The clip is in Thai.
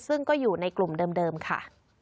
ซึ่งก็อยู่ในกลุ่มเดิมค่ะ